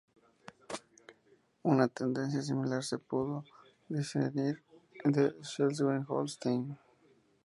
Una tendencia similar se pudo discernir de Schleswig-Holstein.